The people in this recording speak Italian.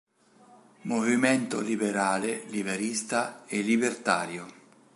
Movimento liberale, liberista e libertario.